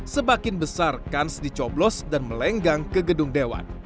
semakin besar kans dicoblos dan melenggang ke gedung dewan